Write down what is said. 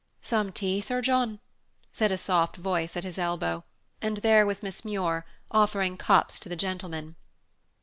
"Some tea, Sir John?" said a soft voice at his elbow, and there was Miss Muir, offering cups to the gentlemen.